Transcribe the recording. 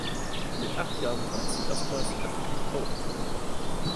Mit acht Jahren trat sie erstmals öffentlich auf.